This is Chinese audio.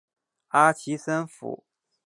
阿奇森府。